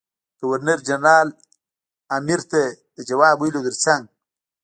ګورنر جنرال امر ته د جواب ویلو تر څنګ.